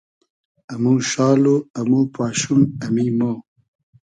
امو شال و امو پاشوم ، امی مۉ